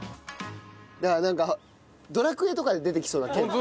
なんか『ドラクエ』とかで出てきそうな剣。